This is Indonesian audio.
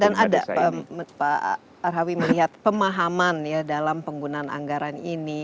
dan ada pak arhawi melihat pemahaman ya dalam penggunaan anggaran ini